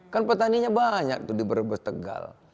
kan petaninya banyak tuh di brebes tegal